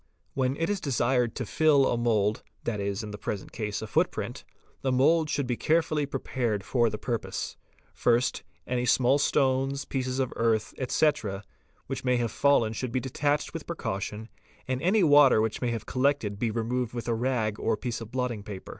When it is desired to fill a mould, that is, in the present case, a foot print, the mould should be carefully prepared for the purpose. First ; Wy BLL RII EE AF CRN NES RAG TREE RO ELTA ER ERE SCS SSNS re se 'any small stones, pieces of earth, etc., which may have fallen should be | detached with precaution and any water which may have collected be Tremoyed with a rag or piece of blotting paper.